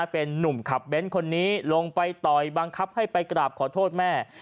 เป็นนุ่มขับเบ้นคนนี้ลงไปต่อยบังคับให้ไปกราบขอโทษแม่